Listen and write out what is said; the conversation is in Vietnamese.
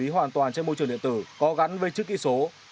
hoàn toàn trên môi trường điện tử có gắn với chữ ký số